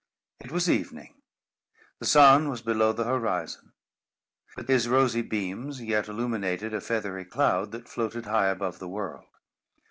It was evening. The sun was below the horizon; but his rosy beams yet illuminated a feathery cloud, that floated high above the world.